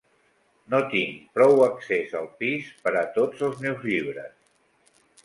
No tinc prou accés al pis per a tots els meus llibres.